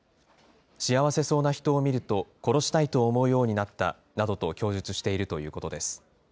幸せそうな人を見ると、殺したいと思うようになったなどと供述しているということです。